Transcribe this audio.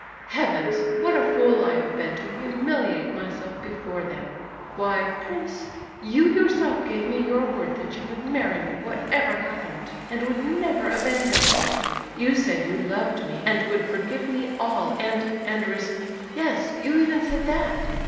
Heavens! what a fool I have been to humiliate myself before them! Why, prince, you yourself gave me your word that you would marry me whatever happened, and would never abandon me. You said you loved me and would forgive me all, and—and resp—yes, you even said that!